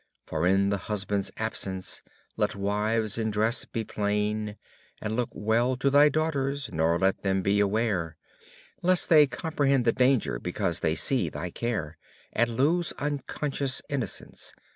For in the husband's absence let wives in dress be plain; And look well to thy daughters, nor let them be aware. _Lest they comprehend the danger because they see thy care, And lose unconscious innocence.